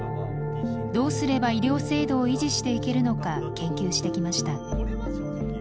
どうすれば医療制度を維持していけるのか研究してきました。